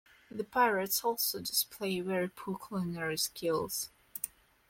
The pirates also display very poor culinary skills.